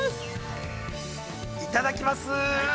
◆いただきます。